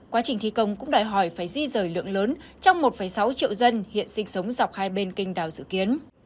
quá trình thi công cũng đòi hỏi phải di rời lượng lớn trong một sáu triệu dân hiện sinh sống dọc hai bên kinh đảo dự kiến